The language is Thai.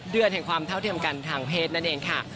เดือนแห่งความเท่าเทียมกันทางเพศนั่นเองค่ะ